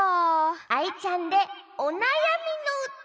アイちゃんで「おなやみのうた」！